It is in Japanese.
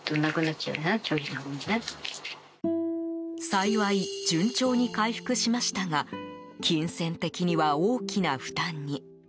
幸い、順調に回復しましたが金銭的には大きな負担に。